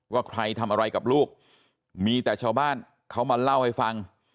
ว่าใครทำอะไรกับลูกมีแต่ชาวบ้านเขามาเล่าให้ฟัง